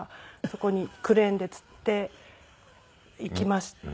そこにクレーンでつって行きました。